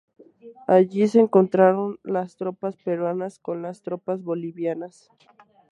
Allí se encontraron las tropas peruanas con las tropas bolivianas.